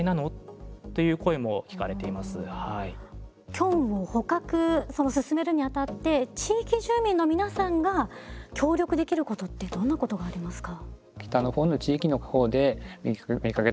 キョンの捕獲を進めるにあたって地域住民の皆さんが協力できることってどんなことがありますか？